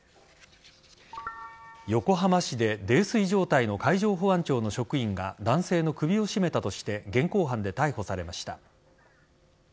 横浜市で泥酔状態の海上保安庁の職員が男性の首を絞めたとして現行犯で逮捕されました。